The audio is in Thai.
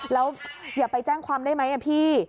แล้วอย่าไปแจ้งความได้ไหมพี่